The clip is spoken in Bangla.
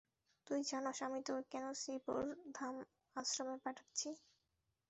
তুই জানোস আমি তোকে কেন শ্রীপুরধাম আশ্রমে পাঠাচ্ছি?